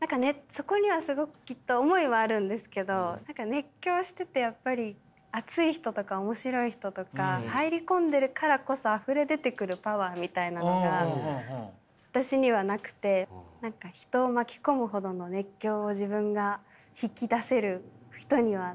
そこにはすごくきっと思いはあるんですけど何か熱狂しててやっぱり熱い人とか面白い人とか入り込んでいるからこそあふれ出てくるパワーみたいなのが私にはなくて何か人を巻き込むほどの熱狂を自分が引き出せる人にはなれない。